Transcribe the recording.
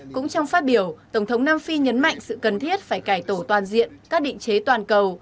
cũng trong phát biểu tổng thống nam phi nhấn mạnh sự cần thiết phải cải tổ toàn diện các định chế toàn cầu